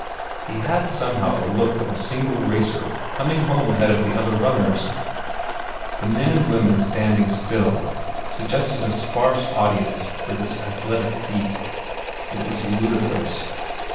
He had somehow the look of a single racer coming home ahead of the other runners. The men and women standing still suggested a sparse audience for this athletic feat. It was ludicrous.